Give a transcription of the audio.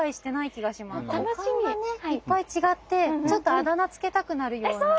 お顔がねいっぱい違ってちょっとあだ名つけたくなるような。